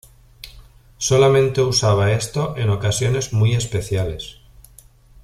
Solamente usaba esto en ocasiones muy especiales.